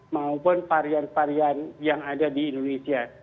maupun varian varian yang ada di indonesia